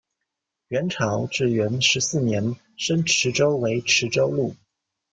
元朝至元十四年升池州为池州路。